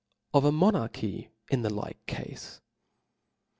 Of a Monarchy in the like Cafe.